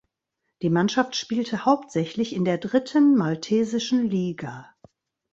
Die Mannschaft spielte hauptsächlich in der dritten maltesischen Liga.